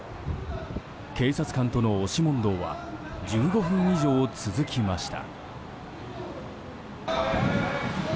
警察官との押し問答は１５分以上続きました。